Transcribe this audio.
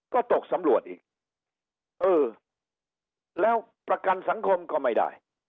ก็ตกสำรวจอีกเออแล้วประกันสังคมก็ไม่ได้